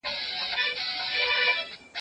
زه به د نوي لغتونو يادونه کړې وي!؟